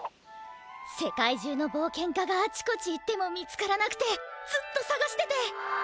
世界中のぼうけんかがあちこち行っても見つからなくてずっとさがしてて。